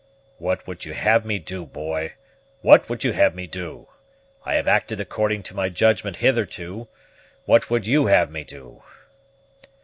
"What would you have me do, boy, what would you have me do? I have acted according to my judgment hitherto, what would you have me do?"